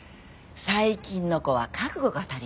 最近の子は覚悟が足りなくて。